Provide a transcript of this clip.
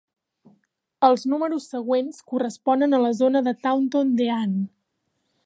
Els números següents corresponen a la zona de Taunton Deane.